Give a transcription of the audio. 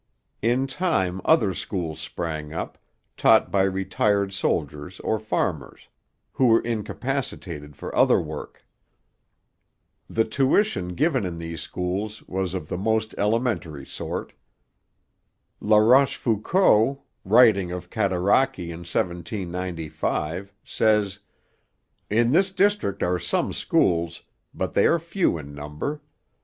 In time other schools sprang up, taught by retired soldiers or farmers who were incapacitated for other work. The tuition given in these schools was of the most elementary sort. La Rochefoucauld, writing of Cataraqui in 1795, says: 'In this district are some schools, but they are few in number.